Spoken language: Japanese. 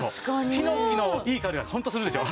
ヒノキのいい香りがホントするでしょ？